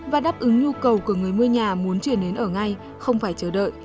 và đáp ứng nhu cầu của người mua nhà muốn chuyển đến ở ngay không phải chờ đợi